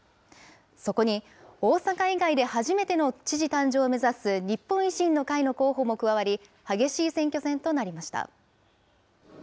そこに、大阪以外で初めての知事誕生を目指す日本維新の会の候補も加わり、激しい選挙戦となりました。